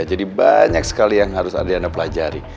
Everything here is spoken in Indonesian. jadi banyak sekali yang harus adriana pelajari